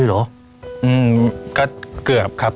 อืมก็เกือบครับ